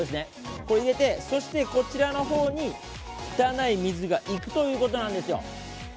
これ入れて、そしてこちらのほうに汚い水がいくということなんですよ。